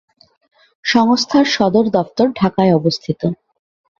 সংস্থার সদর দফতর ঢাকায় অবস্থিত।